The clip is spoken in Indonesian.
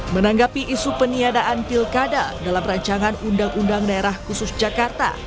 menanggapi isu peniadaan pilkada dalam rancangan undang undang daerah khusus jakarta